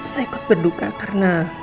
saya ikut berduka karena